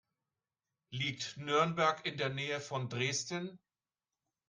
Liegt Nürnberg in der Nähe von Dresden?